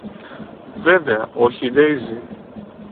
Βέβαια, όχι η Ντέιζη;